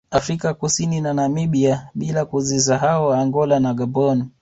Afrika Kusini na Namibia bila kuzisahau Angola na Gaboni